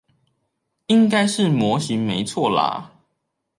應該是模型沒錯啦